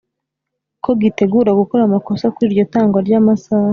Ko gitegura gukora amakosa kuri iryo tangwa ry’amasaha